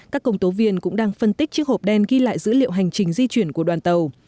các công tố viên cũng đang phân tích chiếc hộp đen ghi lại dữ liệu hành trình di chuyển của đoàn tàu